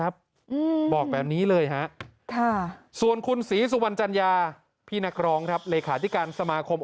บอกแบบนี้เลยส่วนคุณศรีสุวรรณจัญญาพี่นครองเลขาที่การสมาคม